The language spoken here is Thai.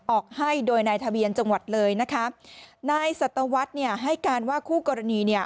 ออกให้โดยนายทะเบียนจังหวัดเลยนะคะนายสัตวรรษเนี่ยให้การว่าคู่กรณีเนี่ย